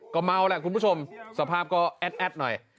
ก็เมาแหละคุณผู้ชมสภาพก็แอดหน่อย